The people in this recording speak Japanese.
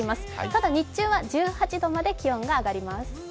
ただ、日中は１８度まで気温が上がります。